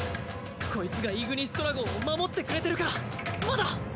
こいつがイグニスドラゴンを守ってくれてるからまだ。